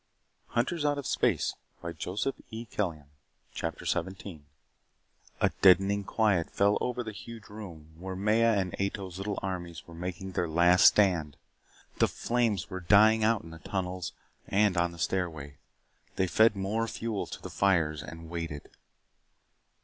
Gunnar reeled back into the flames. CHAPTER 17 A deadening quiet fell over the huge room where Maya's and Ato's little armies were making their last stand. The flames were dying out in the tunnels and on the stairway. They fed more fuel to the fires and waited.